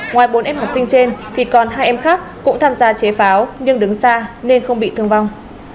ngoài bốn em học sinh trên thì còn hai em khác cũng tham gia chế pháo nhưng đứng xa nên không bị thương vong